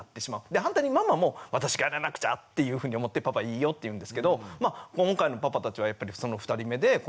反対にママも私がやらなくちゃっていうふうに思ってパパいいよって言うんですけど今回のパパたちはやっぱりその２人目で育児の大変さ